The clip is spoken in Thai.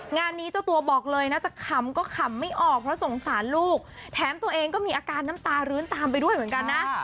งานนี้เจ้าตัวบอกเลยนะจะขำก็ขำไม่ออกเพราะสงสารลูกแถมตัวเองก็มีอาการน้ำตารื้นตามไปด้วยเหมือนกันนะ